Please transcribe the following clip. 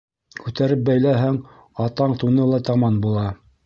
Күтәреп бәйләһәң, атаң туны ла таман була.